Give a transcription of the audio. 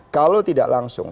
kalau tidak langsung